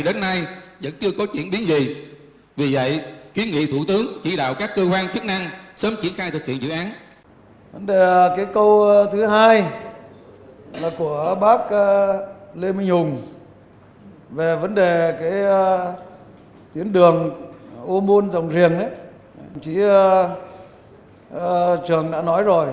đến nay vẫn chưa có chuyển biến gì vì vậy kiến nghị thủ tướng chỉ đạo các cơ quan chức năng sớm triển khai thực hiện dự án